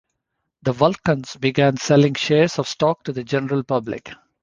The Vulcans began selling shares of stock to the general public.